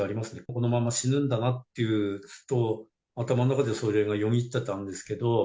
このまま死ぬんだなって、ふと頭の中でそれがよぎってたんですけど。